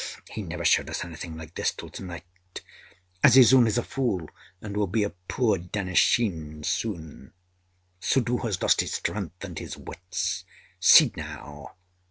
He never showed us anything like this till to night. Azizun is a fool, and will be a pur dahnashin soon. Suddhoo has lost his strength and his wits. See now!